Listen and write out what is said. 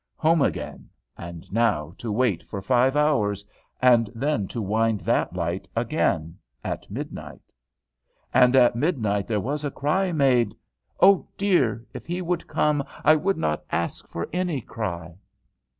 Home again! And now to wait for five hours, and then to wind that light again at midnight! "And at midnight there was a cry made" "oh dear! if he would come, I would not ask for any cry!"